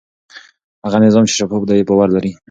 هغه نظام چې شفاف دی باور لري.